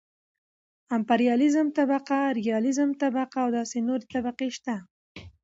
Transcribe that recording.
امپرياليزم طبقه ،رياليزم طبقه او داسې نورې طبقې شته .